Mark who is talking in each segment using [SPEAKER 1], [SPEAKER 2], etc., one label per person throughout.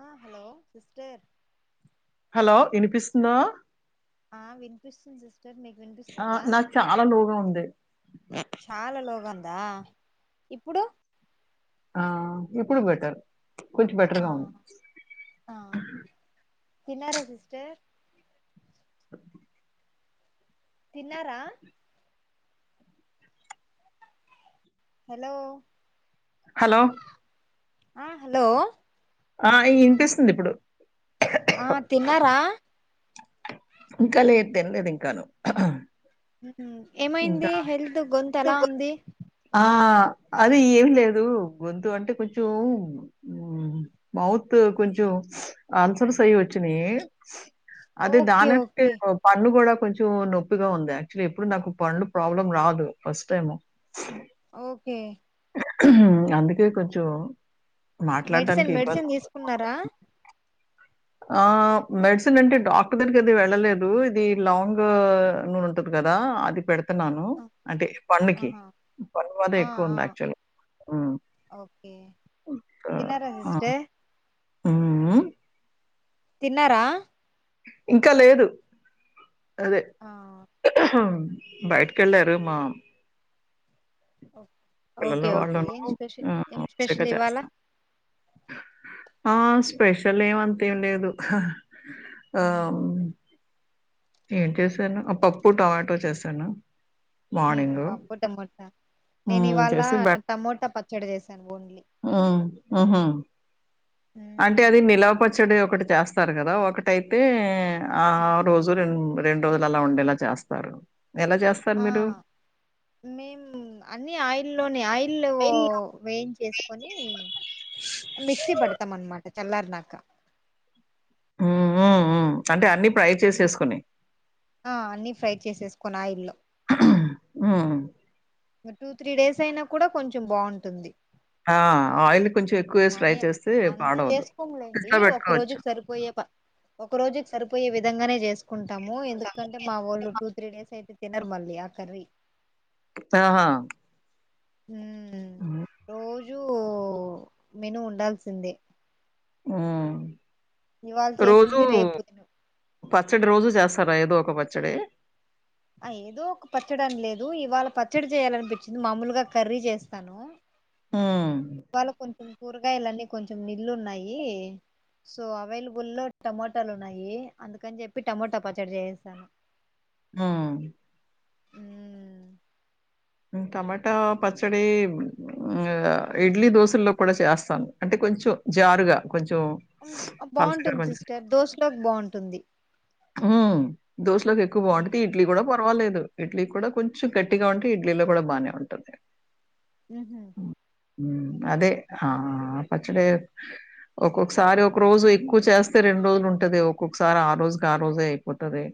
[SPEAKER 1] ఆ hello sister
[SPEAKER 2] hello వినిపిస్తుందా?
[SPEAKER 1] ఆ వినిపిస్తుంది. సిస్టర్ మీకు
[SPEAKER 2] ఆ,
[SPEAKER 1] వినిపిస్తుందా?
[SPEAKER 2] నాకు చాలా లోగా ఉంది
[SPEAKER 1] చాలా లోగ్ ఉందా ఇప్పుడు
[SPEAKER 2] ఆ ఇప్పుడు బెటర్ కొంచెం
[SPEAKER 1] ఆ
[SPEAKER 2] బెటర్గా ఉంది.
[SPEAKER 1] ఆ తిన్నారా సిస్టర్? తిన్నారా హలో
[SPEAKER 2] హలో
[SPEAKER 1] ఆ హలో
[SPEAKER 2] ఆ ఈ ఇనిపిస్తుంది ఇప్పుడు.
[SPEAKER 1] ఆ తిన్నారా?
[SPEAKER 2] ఇంకాలే తిన్లేదు ఇంకాను అహ్హ్
[SPEAKER 1] హు ఏమైంది హెల్త్ గొంతు అలా ఉంది?
[SPEAKER 2] ఆ అది ఏమి లేదు గొంతు అంటే కొంచెం ఉ మౌత్ కొంచెం ఆన్సర్స్ అవి వచ్చియి అదే
[SPEAKER 1] ఓకే
[SPEAKER 2] దానింటే
[SPEAKER 1] ఓకే
[SPEAKER 2] పన్ను కూడా కొంచెం నొప్పిగా ఉంది యాక్చువల్లీ ఎప్పుడు నాకు పండ్లు ప్రాబ్లం రాదు ఫస్ట్ టైం
[SPEAKER 1] ఓకే
[SPEAKER 2] అందుకే కొంచెం
[SPEAKER 1] మెడిసిన్
[SPEAKER 2] మాట్లాడటానికి ఇబ్బంది
[SPEAKER 1] మెడిసిన్ తీసుకున్నారా
[SPEAKER 2] అవుతుంది ఆ మెడిసిన్ అంటే డాక్టర్ దగ్గరికి అయితే వెళ్ళలేదు ఇది లాంగ్ నూనె ఉంటది క దా అదిపెడుత చెస్తున్నాను అంటే పనుకి
[SPEAKER 1] ఆహా
[SPEAKER 2] పం వల్ల
[SPEAKER 1] ఆ
[SPEAKER 2] ఎక్కువ ఉంది అక్చువల్గా
[SPEAKER 1] తిన్నార సిస్టర్
[SPEAKER 2] ఉమ్
[SPEAKER 1] తిన్నారా
[SPEAKER 2] ఇంకా లేదు అదే
[SPEAKER 1] ఆ
[SPEAKER 2] బయటకెళ్లారు మా పిల్లలు
[SPEAKER 1] ఓకే ఓకే
[SPEAKER 2] వాళ్ళను
[SPEAKER 1] ఏం స్పెషల్ ఏం
[SPEAKER 2] వచ్చక
[SPEAKER 1] స్పెషల్ ఇవాళ
[SPEAKER 2] చేస్తా ఆ స్పెషల్ ఏమంతేం లేదు ఆ
[SPEAKER 1] ఉమ్
[SPEAKER 2] ఏం చేశాను ఆ పప్పు టమాటో చేసాను
[SPEAKER 1] పప్పు టమోటా నేను
[SPEAKER 2] హ్మ్.
[SPEAKER 1] ఇవాళ టమోటా పచ్చడి చేసాను
[SPEAKER 2] ఆ ఆహా అంటే
[SPEAKER 1] మ్మ్.
[SPEAKER 2] అది నిలవపచ్చడి ఒకటి చేస్తారు కదా ఒకటైతే ఆ రోజు రెం రెండు రోజులు అలా ఉండేలా చేస్తారు ఎలా చేస్తారు
[SPEAKER 1] ఆ
[SPEAKER 2] మీరు?
[SPEAKER 1] మేము అన్ని ఆయిల్లోనె ఆయిల్ ఇల్లు వేయించేసుకొని మిక్సీ పెడతాం అన్నమాట తెల్లారినాక
[SPEAKER 2] ఉమ్ ఉమ్ ఉమ్ అంటే అన్ని
[SPEAKER 1] ఆ అన్ని ఫ్రై చేసేసుకొని ఆయిల్ల
[SPEAKER 2] ఉమ్
[SPEAKER 1] టూ త్రీ డేస్ అయినా కూడా కొంచెం బాగుంటుంది
[SPEAKER 2] ఆ అయిల్ కొంచెం ఎక్కువ వేసి ఫ్రై
[SPEAKER 1] కానీ
[SPEAKER 2] చేస్తే
[SPEAKER 1] అంత
[SPEAKER 2] పాడవదు
[SPEAKER 1] చేసుకోంలేండి
[SPEAKER 2] ఫ్రిడ్జ్లో
[SPEAKER 1] ఒక
[SPEAKER 2] పెట్టుకోవచ్చు
[SPEAKER 1] రోజుకి సరిపోయే ప ఒక రోజుకు సరిపోయే విధంగానే చేసుకుంటాము ఎందుకంటే మా వాళ్ళు టూ త్రీ డేస్ అయితే తినర్ మల్లి ఆ కర్రీ
[SPEAKER 2] ఆహా ఉమ్
[SPEAKER 1] రోజూ మెను ఉండాల్సిందే
[SPEAKER 2] ఆ
[SPEAKER 1] ఇవాళ చేసింది రేపు తను
[SPEAKER 2] పచ్చడి రోజూ చేస్తారా ఏదో ఒక పచ్చడి
[SPEAKER 1] ఆ ఏదో ఒక పచ్చడని లేదు ఇవాళ పచ్చడి చేయాలనిపించింది మామూలుగ కర్రీ చేస్తాను
[SPEAKER 2] హ్మ్.
[SPEAKER 1] ఇవాళ కొంచెం కూరగాయలన్నీ కొంచెం నిళ్లు ఉన్నయి సో అవైలబుల్ లో టమోటాలు ఉన్నాయి అందుకని చెప్పి టమోటా పచ్చడి చేసాను
[SPEAKER 2] ఆ టమాటా పచ్చడీ ఇడ్లీ దోశల్లో కూడా చేస్తాను అంటే కొంచెం జారుగా కొంచెం
[SPEAKER 1] ఉమ్
[SPEAKER 2] పల్సగ
[SPEAKER 1] బాగుంటుంది
[SPEAKER 2] కొంచం
[SPEAKER 1] సిస్టర్ దోశలోకి బాగుంటుంది
[SPEAKER 2] ఉ దోశలోకి ఎక్కువ బాగుంటది ఇడ్లీ కూడా పర్వాలేదు ఇడ్లీ కూడా కొంచెం గట్టిగా ఉంటే ఇడ్లీలో కూడా బానే ఉంటుంది
[SPEAKER 1] మ్మ్ మ్మ్
[SPEAKER 2] మ్మ్ అదే ఆ పచ్చడె ఒక్కొక్కసారి ఒక రోజు ఎక్కు చేస్తే రెండు రోజులు ఉంటది ఒక్కొక్కసారి ఆరోజ గరోజే అయిపోతుది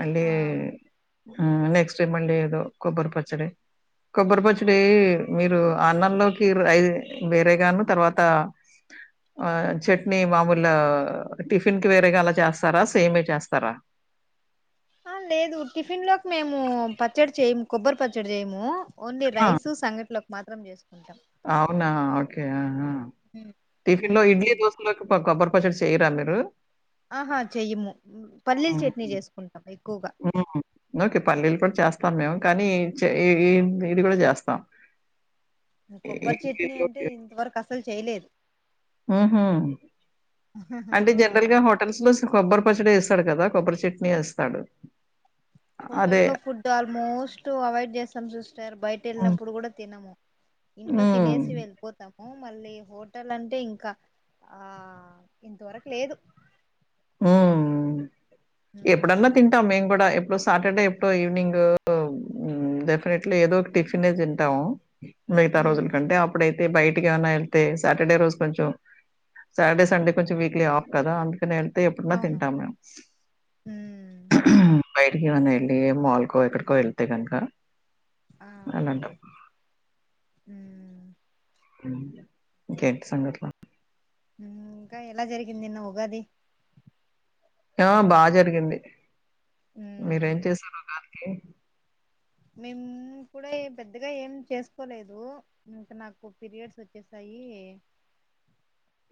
[SPEAKER 2] మళ్ళీ
[SPEAKER 1] ఆ
[SPEAKER 2] మ్మ్ నెక్స్టై మళ్ళీ ఎదో కొబ్బరి పచ్చడి కొబ్బరి పచ్చడీ మీరు అన్నంలోకి రై వేరేగాను తర్వాత ఆ చట్నీ మామూలా టిఫిన్కి వేరేగా అలా చేస్త స్తారా సేమే చేస్తారా
[SPEAKER 1] ఆ లేదు టిఫిన్ లోకి మేము పచ్చడి చేయము కొబ్బరి పచ్చడి జేము ఓన్లీ
[SPEAKER 2] ఆ!
[SPEAKER 1] రైస్ సంగట్లోకి మాత్రం జేస్కుంటాం
[SPEAKER 2] అవునా ఓకే టిఫిన్లో
[SPEAKER 1] ఉమ్
[SPEAKER 2] ఇడ్లీ డొస్కలోకి కో బ్బరి చేయరా మీరు
[SPEAKER 1] ఆహా చెయ్యము పల్లీల చేట్నీ
[SPEAKER 2] హ్మ్.
[SPEAKER 1] చేస్కుంటాము ఎక్కుగా
[SPEAKER 2] హ్మ్. ఓకే పల్లీలు పొడ్ చేస్తాం మేము కానీ చ ఎ ఏం ఇది గుడా చేస్తాం ఈ-
[SPEAKER 1] కొబ్బరి చట్నీ అంటే
[SPEAKER 2] ఇడ్లీలోకి
[SPEAKER 1] ఇంతవర్క్ అస్సల్ చేలేదు
[SPEAKER 2] ఉహ్మ్ అంటే జనరాల్గా హోటల్స్ లో కొబ్బరి పచ్చడి ఏస్తాడు కదా కొబ్బరి చట్నీ ఏస్తాడు
[SPEAKER 1] హోటల్ లో ఫుడ్ ఆల్మోస్ట్ అవాయిడ్ జేస్తాం సిస్టర్ బయట
[SPEAKER 2] హ్మ్.
[SPEAKER 1] ఏళ్ళినప్పుడు గూడా తినము ఇంట్లో
[SPEAKER 2] హ్మ్.
[SPEAKER 1] తినేసి వెళ్ళిపోతాం మళ్ళీ హోటల్ అంటే ఇంకా ఆ ఇంతవర్కి లేదు
[SPEAKER 2] మ్మ్
[SPEAKER 1] ఉమ్
[SPEAKER 2] ఎప్పుడన్నా తింటాం మేము గూడా ఏప్పుడు సాటర్డే ఎప్పుడో ఈవినింగు డెఫినెట్లీ ఏదో ఒక టిఫినే తింటాము మిగతా
[SPEAKER 1] ఉమ్
[SPEAKER 2] రోజులకంటే అప్పుడైతే బైటికేవాన్నా ఏళ్తే సాటర్డే రోజు కొంచం సాటర్డే సండే కొంచెం వీక్లీ ఆఫ్ కదా అ కేన్ళ్తే ఎప్పుడన్నా తింటామ్ మేం
[SPEAKER 1] మ్మ్
[SPEAKER 2] బయటకేవన్నా ఏళ్ళి మాల్కో ఎక్కడికో వెళ్తే గనకా
[SPEAKER 1] ఆ ఓకే మ్మ్
[SPEAKER 2] మ్మ్ ఇంకేంటి సంఘటలా
[SPEAKER 1] మ్మ్ ఇంకా ఎలా జరిగింది నిన్న ఉగాది
[SPEAKER 2] ఆ బా జరిగింది మీరేం చేశారు ఉగాదికి
[SPEAKER 1] మేమ్ కూడా ఏం పెద్దగా ఏం చేస్కోలేదు ఇంకా నాకు పీరియడ్స్ ఓచ్చేసాయి ఏ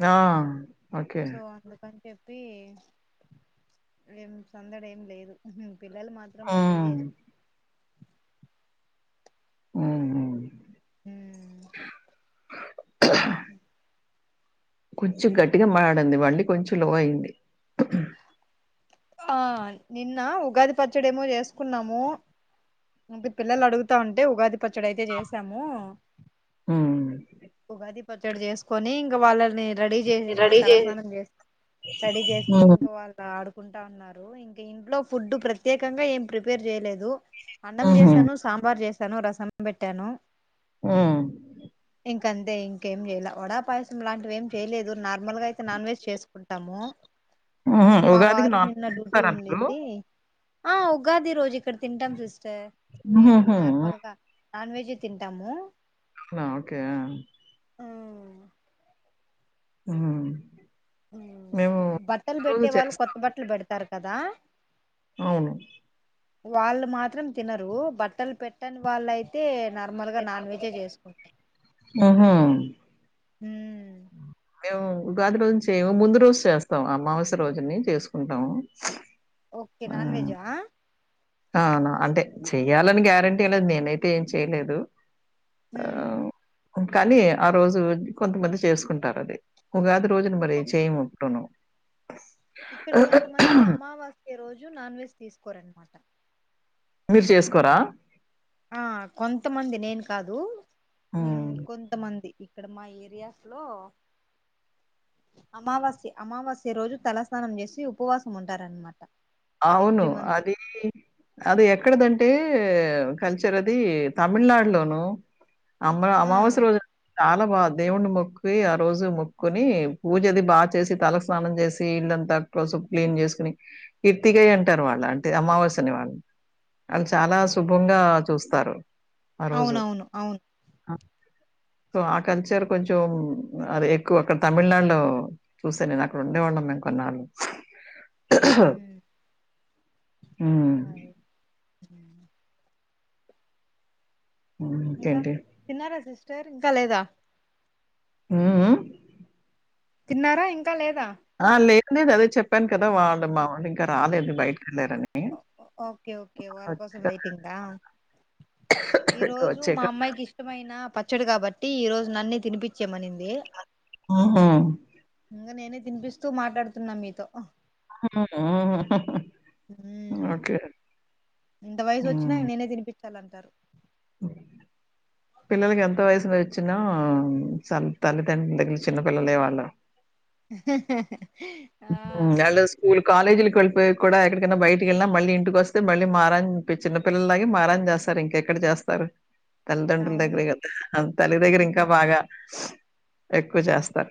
[SPEAKER 2] ఆ ఓకే.
[SPEAKER 1] సో అందుకని చెప్పి ఏం సందడేం లేదు పిల్లలు మాత్రం రెడీ
[SPEAKER 2] హ్మ్.
[SPEAKER 1] జేస్త
[SPEAKER 2] మ్మ్ మ్మ్
[SPEAKER 1] ఉమ్మ్
[SPEAKER 2] కొంచెం గట్టిగా మాటాడండి మళ్ళీ కొంచెం లో అయింది
[SPEAKER 1] ఆ నిన్న ఉగాది పచ్చడేమో జేస్కున్నాము ఇంక పిల్లలు అడుగుతా ఉంటే ఉగాది పచ్చడయితే జేసాము
[SPEAKER 2] మ్మ్
[SPEAKER 1] ఉగాది పచ్చడి జేస్కొని ఇంక వాళ్ళని రడీ జేసేసిన తలస్నానం జేసి రెడీ జేసి
[SPEAKER 2] హ్మ్.
[SPEAKER 1] ఇంక వాళ్ళు ఆడు కుంటా ఉన్నారు ఇంక ఇంట్లో ఫుడ్డు ప్రత్యేకంగా ఏం ప్రిపేర్ జేలేదు. అన్నం
[SPEAKER 2] హుహు.
[SPEAKER 1] జేసాను సాంబార్ జేసాను రసం పెట్టాను.
[SPEAKER 2] ఊమ్మ్.
[SPEAKER 1] ఇంకంతే ఇంకేం జేలే వడా పాయసంలాంటివి ఏం చేయలేదు నార్మల్ గా అయితే నాన్ వెజ్ చేస్కుంటాము.
[SPEAKER 2] హుహు.
[SPEAKER 1] ఇంక్ మా
[SPEAKER 2] ఉగాదికి
[SPEAKER 1] వారు
[SPEAKER 2] నాన్
[SPEAKER 1] నిన్న
[SPEAKER 2] వెజ్
[SPEAKER 1] డుటీ
[SPEAKER 2] చేస్తారా మీరు?
[SPEAKER 1] ఉండింది. ఆ ఉగాది రోజు ఇక్కడ తింటాం సిస్టర్ మేం
[SPEAKER 2] హుహుహు.
[SPEAKER 1] నార్మల్గా నాన్వెజే తింటాము
[SPEAKER 2] అవునా ఓకే ఉమ్
[SPEAKER 1] బట్టలు బెట్టే వాళ్ళు
[SPEAKER 2] చేస్తాం.
[SPEAKER 1] కొత్త బట్టలు బెడ్తారు కదా
[SPEAKER 2] అవును.
[SPEAKER 1] వాళ్ళు మాత్రం తినరు బట్టలు పెట్టని వాళ్ళైతే. నార్మల్ గా నాన్ వెజే జేసుకుంటం.
[SPEAKER 2] ఆహా.
[SPEAKER 1] ఉమ్.
[SPEAKER 2] మేం ఉగాది రోజు చేయము ముందు రోజు చేస్తాము అమావాస్య రోజాని చేసుకుంటాము.
[SPEAKER 1] ఓకే నాన్ వెెజా.
[SPEAKER 2] ఆహ్ నా అంటే చెయ్యాలని గ్యారెంటీంలే నేనైతే ఏం చెయలేదు.
[SPEAKER 1] ఉమ్.
[SPEAKER 2] కాని ఆ రోజు కొంతమంది చేసుకుంటారు అది ఉగాది రోజున మరి చేయము. టునో.
[SPEAKER 1] ఇక్కడ కొంతమంది అమావాస్య రోజు నాన్ వెజ్ తీస్కోరన్నమాట.
[SPEAKER 2] మీరు చేస్కోరా.
[SPEAKER 1] ఆహ్ కొంతమంది నేను కాదు
[SPEAKER 2] హ్మ్.
[SPEAKER 1] ఉమ్ కొంతమంది. ఇక్కడ మా ఏరియాస్ లో. అమావాస్య అమావాస్య రోజు తలస్నానం జేశి ఉపవాసం ఉంటరన్మాట.
[SPEAKER 2] అవును అది అది ఎక్కడిదంటే. కల్చర్ అది తమిళనాడులోనూ. అమ
[SPEAKER 1] ఆ
[SPEAKER 2] అమావాస్య రోజు చాలా బాగుం. దేవున్నీ మొక్కి ఆ రోజు మొక్కుని పూజది బాగా చేసి తల స్నానం జేసి ఇల్లంతా తోస్. క్లీన్ జెస్కోని ఎత్తిగయి అంటారు వాళ్ళ అంటే అమావాస్యని వాళ్ళు. ఆల్ చాలా శుభంగా చూస్తారు. ఆ రోజు.
[SPEAKER 1] అవునవును అవును.
[SPEAKER 2] ఆ! సో ఆ కల్చర్ కొంచెం అది ఎక్కువ అక్కడ తమిళనాడులో చూసా నేనక్కడ ఉండేవాళ్ళం. ఉన్నాం కొన్నాలు.
[SPEAKER 1] ఉమ్.
[SPEAKER 2] ఉమ్.
[SPEAKER 1] అదే ఉమ్,
[SPEAKER 2] హ్మ్.
[SPEAKER 1] ఇంకా
[SPEAKER 2] ఇంకేంటి?
[SPEAKER 1] తిన్నారా సిస్టర్ ఇంక లేదా.
[SPEAKER 2] ఉమ్ ఉమ్మ్.
[SPEAKER 1] తిన్నారా ఇంక లేదా.
[SPEAKER 2] లేదు లేదు అదే చెప్పాను కదా వాళ్ళు మావొలింకా రాలేదు బైటక్.
[SPEAKER 1] ఓకే ఓకే వాళ్ళ కోసం
[SPEAKER 2] వచ్చాక
[SPEAKER 1] వెయిటింగా. ఈ
[SPEAKER 2] ఇంకా
[SPEAKER 1] రోజు మా
[SPEAKER 2] వచ్చాక
[SPEAKER 1] అమ్మాయికి ఇష్టమైన పచ్. పచ్చడి కాబట్టి ఈ రోజు నన్నే తినిపిచ్చేమనింది.
[SPEAKER 2] హుహు.
[SPEAKER 1] ఇగ నేనే తినిపిస్తూ మాట్లాడుతున్నా మీతో.
[SPEAKER 2] ఆహ్ ఆహ్ హా హా.
[SPEAKER 1] ఉమ్ ఇంత వయసోచ్చినా
[SPEAKER 2] హ్మ్.
[SPEAKER 1] నేనే తినిపిచ్చాలంటారు.
[SPEAKER 2] పిల్లలకెంత వయసులిచ్చినా సర్ తల్లిదండ్రుల దగ్గర చిన్న పిల్లలే వాళ్ళు.
[SPEAKER 1] ఆహాహా.
[SPEAKER 2] ఉమ్ వాళ్లు స్కూల్ కాలేజూలకు వెళ్తూ. పోయేక్ కూడా ఎక్కడికైనా బైటికెలిన మళ్ళీ ఇంటికొస్తే మళ్ళీ మారం పి చిన్న పిల్లాలాగే మారంజేస్తారు ఇంకెక్కడ చేత్ స్తరు తల్లిదండ్రుల
[SPEAKER 1] అవును
[SPEAKER 2] దగ్గర్కి తల్లి దగ్గర ఇంకా బాగా ఎక్కువ చేస్తారు.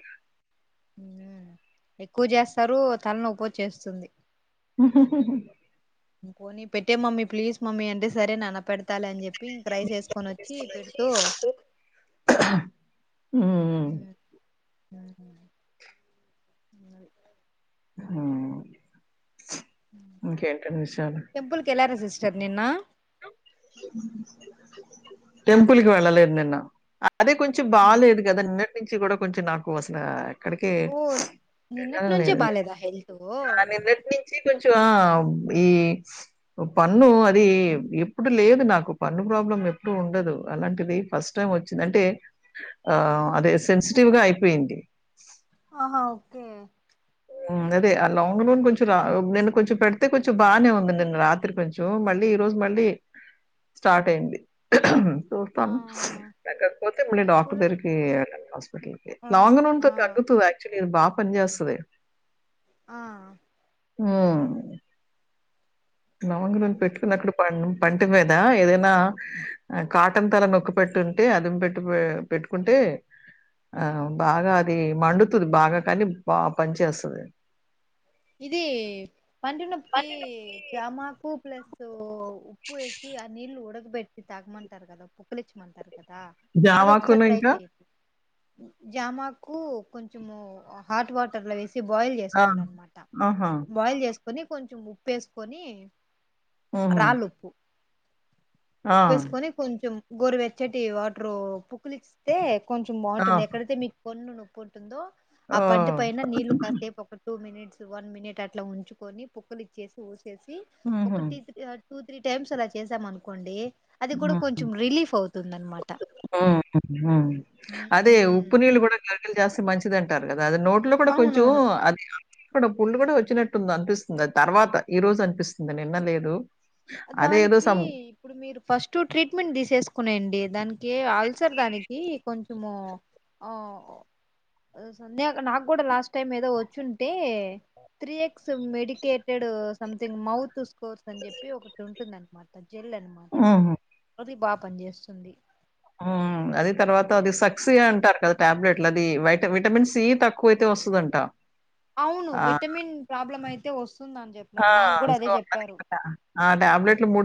[SPEAKER 1] ఎక్కువ జెస్ తరు తలనోప్పోచ్చేస్తుంది
[SPEAKER 2] ఉమ్మ్.
[SPEAKER 1] పోనీ పెట్టే మమ్మీ ప్లీజ్ మమ్మీ అంటే సరే నాన్న పెడతాలే అని చెప్పి. ప్పి రైస్ వేసుకొని వచ్చి పెడుతూ.
[SPEAKER 2] ఉమ్.
[SPEAKER 1] ఉమ్,
[SPEAKER 2] మ్
[SPEAKER 1] టెంపుల్ కెల్లారా సిస్టర్ నిన్న
[SPEAKER 2] టెంపుల్కి వెళ్ళలేదు నిన్న అదే కొంచెం బాలేదు కదా నిన్నటి నుంచి కూడా కొంచెం నాకు అస్లా ఎక్కడికి
[SPEAKER 1] ఓ నిన్నటి నుంచే
[SPEAKER 2] లేదండి
[SPEAKER 1] బాలేదా హెల్త్
[SPEAKER 2] ఆ నిన్నటి నుంచి కొంచం ఆ ఈ పన్ను అది ఎప్పుడు లేదు నాకు పన్ను ప్ర ప్రాబ్లం ఎప్పుడు ఉండదు అలాంటిది ఫస్ట్ టై వచ్చిందింటే అదే ఆ సెన్సిటివ్ గా అ పోయింది
[SPEAKER 1] ఆహా ఓకే
[SPEAKER 2] మ్ అదే ఆ లాంగ్ రోన్ కొంచెం రా నేను కొంచెం పెడితే కొంచెం బానే ఉంది నిన్న రాత్రి కొంచెం మళ్ళీ ఈ రోజు మళ్ళీ స్టార్ట్ అయింది
[SPEAKER 1] ఆ
[SPEAKER 2] చూస్తాను తగ్గకపోతే మళ్ళీ డాక్టర్
[SPEAKER 1] చూడండి
[SPEAKER 2] దగరికి ఎల్లాలి హాస్పల్కి
[SPEAKER 1] ఆ
[SPEAKER 2] లవంగ నూనె
[SPEAKER 1] ఆ
[SPEAKER 2] తో తగ్గుదు యాక్చువలీ అది బా పనిజేస్తది
[SPEAKER 1] ఆ
[SPEAKER 2] మ్ లవంగం నునే పెట్టుకుని అక్కడ పన్ను పంటి మీద ఏదైనా కాటన్ తల నొక్కు పెట్టుంటే అదిం పెట్టి పెట్టుకుంటే టే ఆ బాగా అది మండుతుంది బాగా కానీ బా పని చేస్తది
[SPEAKER 1] ఇది పంటి నొప్పికి జమాకు ప్లస్ ఉప్పు వేసి ఆ నీళ్ళు ఉడకబెట్టి తాగమంటారు కదా పొక్కలిచ్చమంటారు కద్
[SPEAKER 2] జామాకును ఇంకా
[SPEAKER 1] జామాకు కొంచము హాట్ వాటర్ లో వేసి బాయిల్
[SPEAKER 2] ఆ,
[SPEAKER 1] చేసుకోవాలన్నమాట్
[SPEAKER 2] ఆహా
[SPEAKER 1] వేసుకొని కొంచెం ఉప్పేసుకొని
[SPEAKER 2] ఉహు,
[SPEAKER 1] రాళ్ళుప్పు
[SPEAKER 2] ఆ,
[SPEAKER 1] ఉప్పుేసుకొని కొంచెం గోరువెచ్చటి వాటరు పుకులిస్తే కొంచెం
[SPEAKER 2] ఆ,
[SPEAKER 1] బాగుంటుంది ఎక్కడైతే మీకు పన్ను నొప్పు ఉంటుందో ఆ
[SPEAKER 2] ఓ,
[SPEAKER 1] పంటి పైన నీళ్లు కాసేపు ఒక టూ మినిట్ వన్ మినిట్ అట్లా ఉంచుకొని పొక్కులు ఇచ్చేసి ఊసేసి ఒక
[SPEAKER 2] ఉహు,
[SPEAKER 1] టీత్ టూ త్రీ టైమ్స్ అలా చేసాం అనుకోండి అది కూడా కొంచెం రిలీఫ్ అవుతుంది అన్మాట
[SPEAKER 2] మ్ హు హు అదే ఉప్పు నీళ్ళు కూడా కరకలు జాస్తె మంచిదం అంటారు కదా అది నోట్లో కూడా కొంచెం
[SPEAKER 1] అవునవును
[SPEAKER 2] అది అ ఇక్కడ పుండు కూడా వచ్చినట్టుంది అనిపిస్తుంది అది తర్వాత ఈ రోజు అనిపిస్తుంది నిన్నలేదు
[SPEAKER 1] దానికి ఇప్పుడు మీరు ఫస్ట్ ట్రీట్మెంట్ తీసేసుకునేయండి దాన్ కి అల్సర్ దానికి కొంచము మ్ సంధ్య నాకు కూడా లాస్ట్ టైం ఏదో వచ్చుంటే three X medicated something mouth course అని చెప్పి ఒకటి ఉంటుందనమాట జల్
[SPEAKER 2] మ్ హు
[SPEAKER 1] అది బా పనిచేస్తుంది
[SPEAKER 2] అది తర్వాత అది సక్సియ అంటారు కద్ టాబ్లెట్లు అది వైట విటమిన్ సి తక్కువైతే వస్తదంట
[SPEAKER 1] అవును
[SPEAKER 2] ఆ!
[SPEAKER 1] విటమిన్ ప్రాబ్లమ్ అయితే ఒస్
[SPEAKER 2] ఆ సో అలా అన్నమాట ఆ ట్యాబ్లెట్లు మూడు